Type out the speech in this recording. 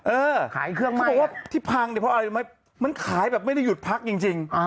เขาบอกว่าที่พังเนี่ยเพราะอะไรรู้ไหมมันขายแบบไม่ได้หยุดพักจริง